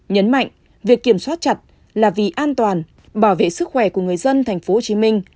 nhấn mạnh việc kiểm soát chặt là vì an toàn bảo vệ sức khỏe của người dân thành phố hồ chí minh